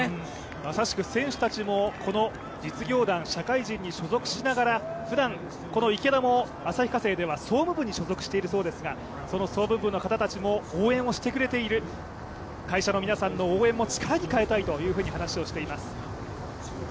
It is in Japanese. まさしく選手たちもこの実業団、社会人に所属しながら、ふだんこの池田も旭化成の総務部に所属しているそうですがその総務部の方たちも応援してくれている会社の皆さんの応援も力に変えたいというふうに話をしています。